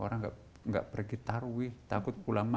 orang nggak pergi taruhi takut pulang mayat